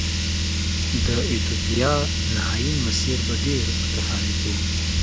د ایتوپیا نهايي مسیر به ډېر متفاوت و.